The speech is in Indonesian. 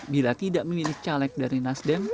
bila tidak memilih caleg dari nasdem